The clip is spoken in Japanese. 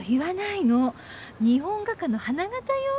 日本画家の花形よ。